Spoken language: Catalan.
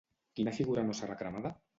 Quina figurà no serà cremada?